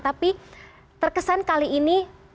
tapi terkesan kali ini